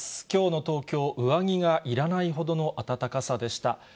きょうの東京、上着がいらないほどの暖かさでした。